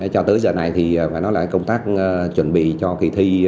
cho tới giờ này thì phải nói là công tác chuẩn bị cho kỳ thi